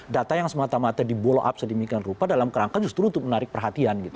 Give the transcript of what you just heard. data yang semata mata dibolo up sedemikian rupa dalam kerangka justru untuk menarik perhatian gitu